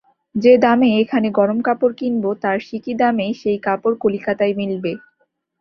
যে দামে এখানে গরম কাপড় কিনব, তার সিকি দামে সেই কাপড় কলিকাতায় মিলবে।